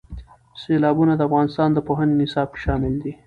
سیلابونه د افغانستان د پوهنې نصاب کې شامل دي.